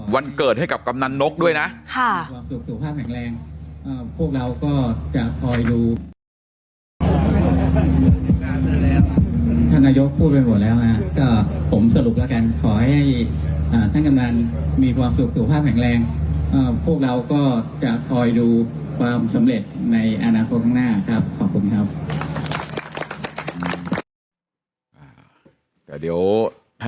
วันเกิดให้กับกำหนันนกด้วยนะค่ะ